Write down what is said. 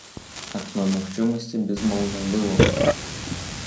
Акно магчымасці, безумоўна, было.